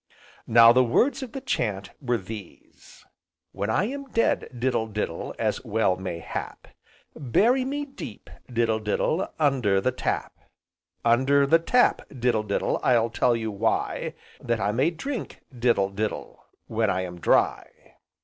Now the words of the chant were these: "When I am dead, diddle, diddle, as well may hap, Bury me deep, diddle, diddle, under the tap, Under the tap, diddle, diddle, I'll tell you why, That I may drink, diddle, diddle, when I am dry."